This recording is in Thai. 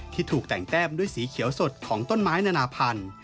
ถูกแต่งแต้มด้วยสีเขียวสดของต้นไม้นานาพันธุ์